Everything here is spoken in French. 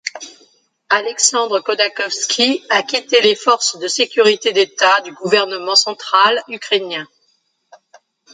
Alexandre Khodakovski a quitté les forces de sécurité d'État du gouvernement central ukrainien.